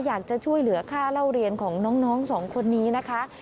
อยากจะช่วยเหลือค่าเล่าเรียนของน้องสองคนนี้นะคะ